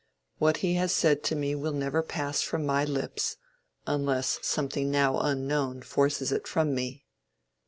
"What he has said to me will never pass from my lips, unless something now unknown forces it from me.